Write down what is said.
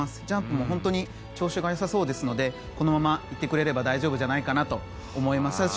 ジャンプも本当に調子が良さそうですのでこのまま、いってくれれば大丈夫じゃないかと思います。